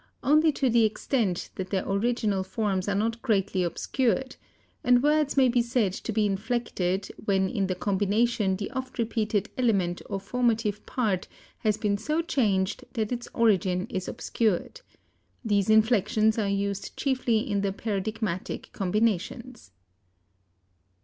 _, only to the extent that their original forms are not greatly obscured; and words may be said to be inflected when in the combination the oft repeated element or formative part has been so changed that its origin is obscured. These inflections are used chiefly in the paradigmatic combinations.